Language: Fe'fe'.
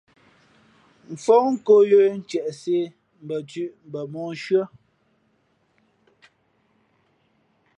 Fóh nkō yə̌ ntiēʼsē, mbα thʉ̄ʼ mbα móhshʉ̄ᾱ.